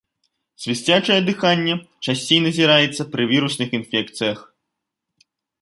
Свісцячае дыханне часцей назіраецца пры вірусных інфекцыях.